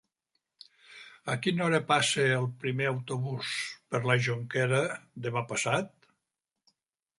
A quina hora passa el primer autobús per la Jonquera demà passat?